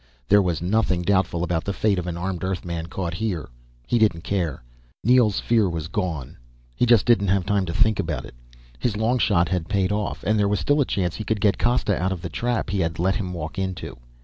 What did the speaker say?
There was nothing doubtful about the fate of an armed Earthman caught here. He didn't care. Neel's fear wasn't gone he just had not time to think about it. His long shot had paid off and there was still a chance he could get Costa out of the trap he had let him walk into.